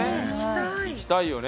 行きたいよね。